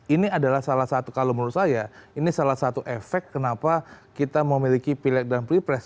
ini adalah salah satu kalau menurut saya ini salah satu efek kenapa kita memiliki pilek dan pilpres